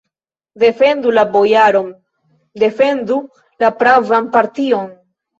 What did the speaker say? Defendu la bojaron, defendu la pravan partion!